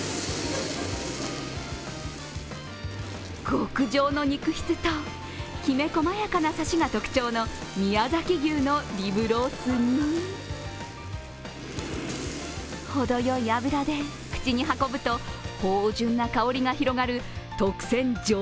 極上の肉質と、きめ細かなサシが特徴の宮崎牛のリブロースに、ほどよい脂で口に運ぶと、芳じゅんな香りが広がる特選上